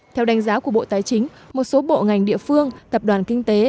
theo đánh giá của bộ tài chính một số bộ ngành địa phương tập đoàn kinh tế